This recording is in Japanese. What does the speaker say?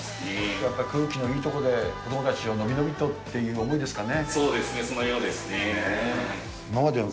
やっぱり空気のいい所で、子どもたちを伸び伸びとっていう思いですかね。